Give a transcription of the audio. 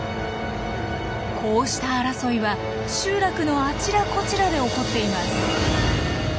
こうした争いは集落のあちらこちらで起こっています。